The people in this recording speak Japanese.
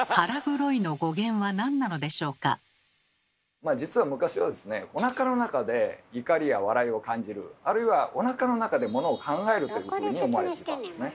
では実は昔はですねおなかの中で怒りや笑いを感じるあるいはおなかの中でものを考えるというふうに思われてたんですね。